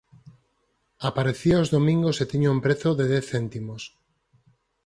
Aparecía os domingos e tiña un prezo de dez céntimos.